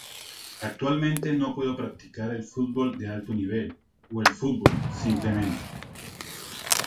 Actualmente no puedo practicar el fútbol de alto nivel, o el fútbol, simplemente.